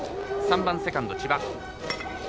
３番、セカンド千葉。